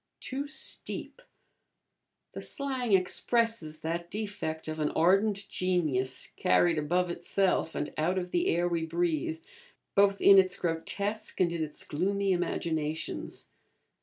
'Too steep:' the slang expresses that defect of an ardent genius, carried above itself, and out of the air we breathe, both in its grotesque and in its gloomy imaginations.